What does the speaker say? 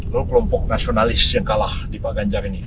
lo kelompok nasionalis yang kalah di pak ganjar ini